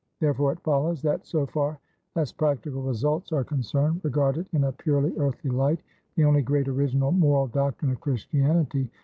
Therefore, it follows, that so far as practical results are concerned regarded in a purely earthly light the only great original moral doctrine of Christianity (_i.